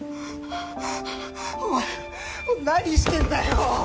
おい何してんだよ！